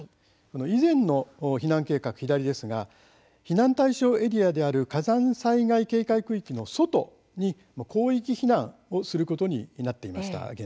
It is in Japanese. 以前の避難計画は左になりますが避難対象エリアである火山災害警戒地域の外に広域避難をすることになっていました。